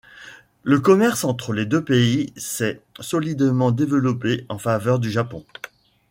Le commerce entre les deux pays s'est solidement développé en faveur du Japon.